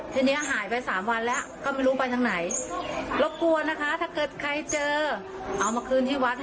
ถ้าหวานหาไม่เจอ